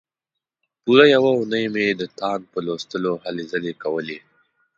پوره یوه اونۍ مې د تاند په لوستلو هلې ځلې کولې.